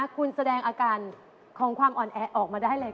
คุณแสดงอาการของความอ่อนแอออกมาได้เลย